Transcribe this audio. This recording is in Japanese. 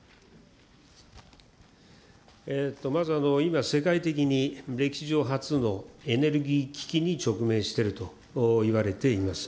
まず今、世界的に歴史上初のエネルギー危機に直面しているといわれています。